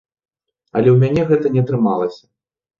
Але ў мяне гэта не атрымалася.